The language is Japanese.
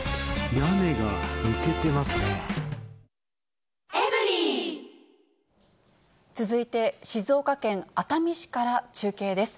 新「ＥＬＩＸＩＲ」続いて、静岡県熱海市から中継です。